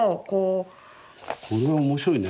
これは面白いね。